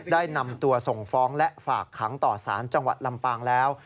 ได้นำตัวส่งฟ้องและฝากขังต่อสารจังหวัดลำปางแล้ว